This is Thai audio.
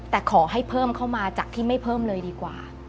แต่ขอให้เพิ่มเข้ามาจากที่ไม่เพิ่มเลยดีกว่า